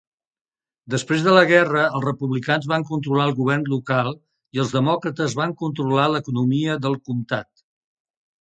Després de la guerra, els republicans van controlar el govern local i els demòcrates van controlar l"economia del comtat.